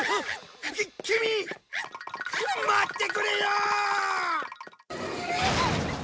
待ってくれよ！